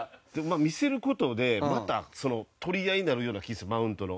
見せる事でまた取り合いになるような気するマウントの。